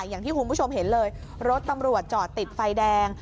อย่างที่คุณผู้ชมเห็นเลยรถตำรวจจอดติดไฟแดง